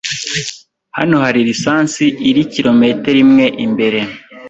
Hano hari lisansi iri kilometero imwe imbere.